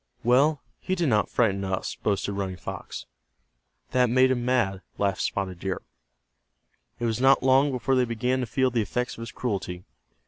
"Well, he did not frighten us," boasted Running Fox. "That made him mad," laughed Spotted Deer. It was not long before they began to feel the effects of his cruelty.